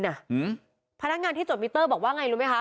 ถ้านักงานที่จดมิเตอร์บอกว่ากันไงรู้มั้ยคะ